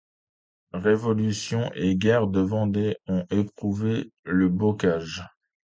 Révolution et guerres de Vendée ont éprouvé le bocage.